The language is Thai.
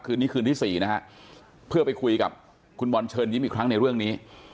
คืนนี้คืนที่สี่นะฮะเพื่อไปคุยกับคุณบอลเชิญยิ้มอีกครั้งในเรื่องนี้